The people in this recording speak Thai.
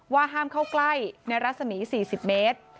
ห้ามเข้าใกล้ในรัศมี๔๐เมตร